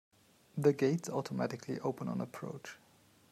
The gates automatically opened on approach.